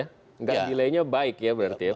tidak delay nya baik ya berarti ya